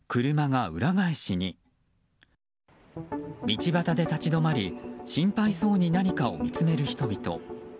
道端で立ち止まり心配そうに何かを見つめる人々。